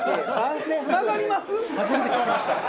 初めて聞きました。